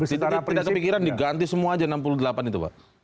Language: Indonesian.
itu tidak kepikiran diganti semua aja enam puluh delapan itu pak